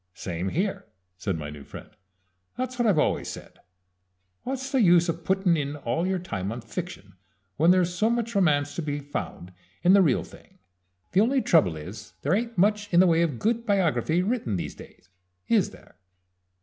"Same here," said my new friend. "That's what I've always said. What's the use of puttin' in all your time on fiction when there's so much romance to be found in the real thing? The only trouble is that there ain't much in the way of good biography written these days is there?"